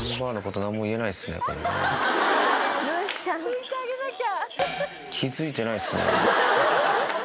拭いてあげなきゃ。